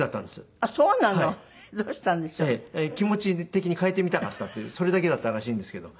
気持ち的に変えてみたかったというそれだけだったらしいんですけど。